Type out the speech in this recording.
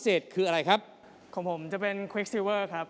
คนสุดท้ายแล้วนะคืออะไรครับ